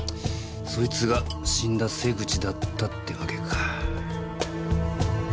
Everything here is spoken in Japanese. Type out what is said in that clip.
そいつが死んだ瀬口だったってわけか。